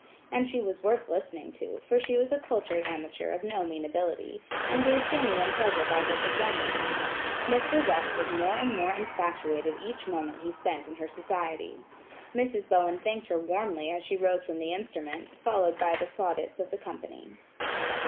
And she was worth listening to for she was a cultured amateur of no mean ability, and gave genuine pleasure by her performance. Mr. West was more and more infatuated each moment he spent in her society. Mrs. Bowen thanked her warmly as she rose from the instrument, followed by the plaudits of the company.